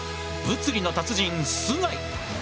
物理の達人須貝！